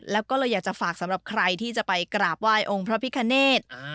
แล้วก็เลยอยากจะฝากสำหรับใครที่จะไปกราบไหว้องค์พระพิคเนธ